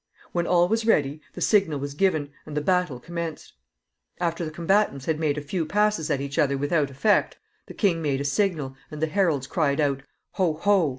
When all was ready, the signal was given, and the battle commenced. After the combatants had made a few passes at each other without effect, the king made a signal, and the heralds cried out, Ho! Ho!